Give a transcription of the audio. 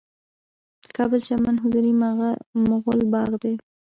د کابل چمن حضوري مغل باغ دی